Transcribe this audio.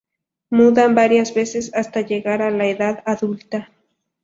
Mudan varias veces hasta llegar a la edad adulta.